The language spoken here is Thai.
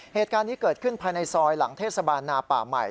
เหตุการณ์นี้เกิดขึ้นภายในซอยหลังเทศบาลนาป่าใหม่